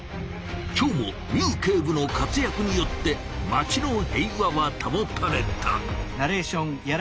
今日もミウ警部の活やくによって街の平和はたもたれた！